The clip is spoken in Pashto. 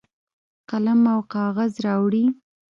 قلم او کاغذ راوړي.